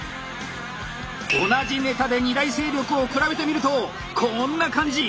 同じネタで２大勢力を比べてみるとこんな感じ！